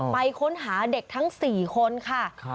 ไปค้นหาเด็กทั้ง๔คนค่ะ